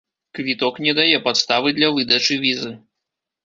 Квіток не дае падставы для выдачы візы.